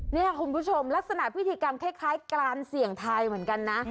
นี่ค่ะคุณผู้ชมลักษณะพิธีกรรมคล้ายการเสี่ยงทายเหมือนกันนะ